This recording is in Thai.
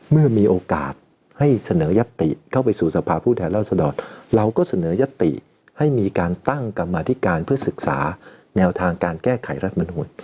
เมื่อมีโอกาสให้เสนอยัตติเข้าไปสู่สภาพผู้แทนราษฎรเราก็เสนอยัตติให้มีการตั้งกรรมาธิการเพื่อศึกษาแนวทางการแก้ไขรัฐมนุน